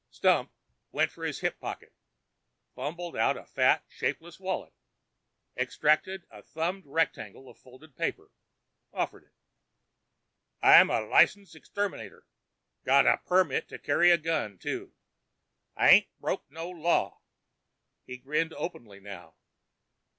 Stump went for his hip pocket, fumbled out a fat, shapeless wallet, extracted a thumbed rectangle of folded paper, offered it. "I'm a licensed exterminator. Got a permit to carry the gun, too. I ain't broken no law." He grinned openly now.